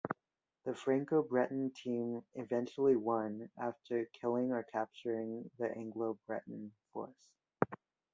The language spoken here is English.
The Franco-Breton team eventually won after killing or capturing the Anglo-Breton force.